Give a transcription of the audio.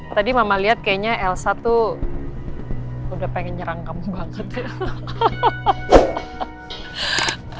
tadi mama lihat kayaknya elsa tuh udah pengen nyerang kamu banget gitu